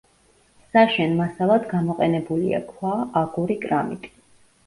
საშენ მასალად გამოყენებულია ქვა, აგური, კრამიტი.